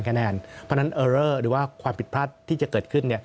เพราะฉะนั้นเออเลอร์หรือว่าความผิดพลาดที่จะเกิดขึ้น